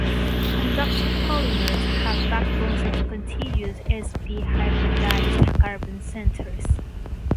Conducting polymers have backbones of contiguous sp hybridized carbon centers.